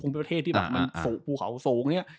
ประเทศที่แบบมันภูเขาสูง